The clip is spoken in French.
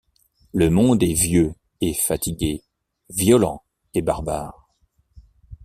Le monde est vieux et fatigué, violent et barbare.